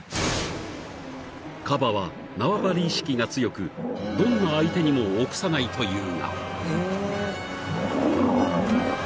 ［カバは縄張り意識が強くどんな相手にも臆さないというが］